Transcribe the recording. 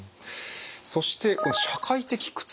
そして社会的苦痛。